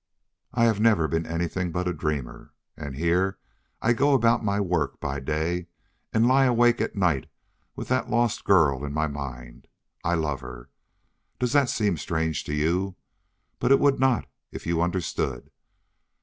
I have never been anything but a dreamer. And here I go about my work by day and lie awake at night with that lost girl in my mind.... I love her. Does that seem strange to you? But it would not if you understood.